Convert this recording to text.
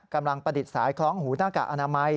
ประดิษฐ์สายคล้องหูหน้ากากอนามัย